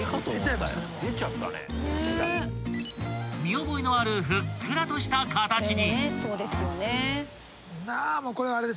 ［見覚えのあるふっくらとした形に］